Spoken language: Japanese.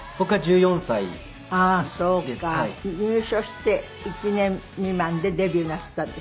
入所して１年未満でデビューなすったんですって？